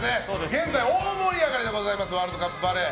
現在大盛り上がりでございますワールドカップバレー。